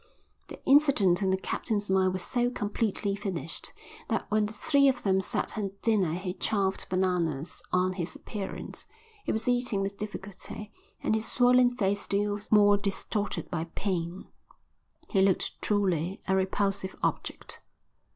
The incident in the captain's mind was so completely finished that when the three of them sat at dinner he chaffed Bananas on his appearance. He was eating with difficulty and, his swollen face still more distorted by pain, he looked truly a repulsive object.